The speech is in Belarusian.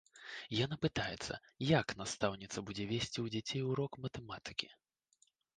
Яна пытаецца, як настаўніца будзе весці ў дзяцей урок матэматыкі.